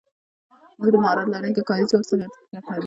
موږ د مهارت لرونکي کاري ځواک ته اړتیا لرو.